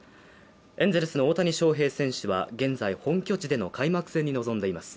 エンゼルスの大谷翔平選手は、現在、本拠地での開幕戦に臨んでいます。